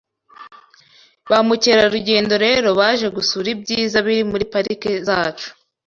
Ba mukerarugendo rero baje gusura ibyiza biri muri pariki zacu